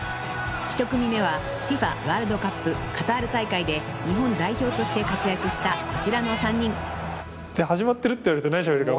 ［１組目はＦＩＦＡワールドカップカタール大会で日本代表として活躍したこちらの３人］始まってるって言われると何しゃべるか。